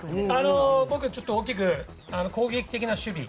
僕、ちょっと大きく攻撃的な守備。